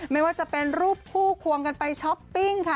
ไม่ว่าจะเป็นรูปคู่ควงกันไปช้อปปิ้งค่ะ